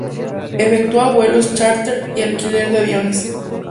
Efectúa vuelos chárter y alquiler de aviones.